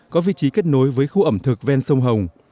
có vị trí kết nối với khu ẩm thực ven sông hồng